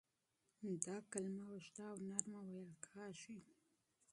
دا کلمه اوږده او نرمه ویل کیږي.